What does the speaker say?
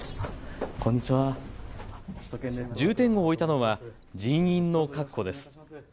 重点を置いたのは人員の確保です。